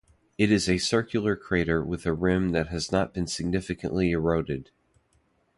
It is a circular crater with a rim that has not been significantly eroded.